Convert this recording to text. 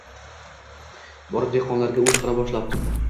Borib dehqonga o’shqira boshlabdi: